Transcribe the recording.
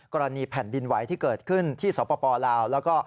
กรณีแผ่นดินไหวที่เกิดขึ้นที่สปลาวแล้วก็